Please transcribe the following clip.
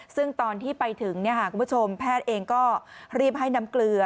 ซึ่งตอนที่ไปถึงคุณผู้ชมแพทย์เองก็รีบให้น้ำเกลือ